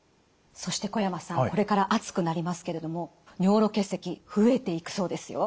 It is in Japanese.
そして小山さんこれから暑くなりますけれども尿路結石増えていくそうですよ。